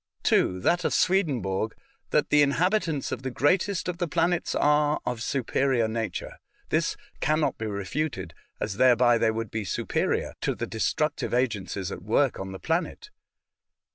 (2) That of Swedenborg, that the inhabitants of the greatest of the planets are of superior nature. This can not be refuted, as thereby they would be superior to the destructive agencies at work on the planet.